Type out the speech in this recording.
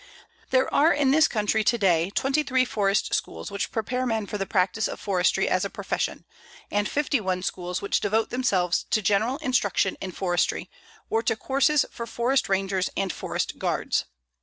There are in this country to day 23 forest schools which prepare men for the practice of forestry as a profession, and 51 schools which devote themselves to general instruction in forestry or to courses for Forest Rangers and Forest Guards.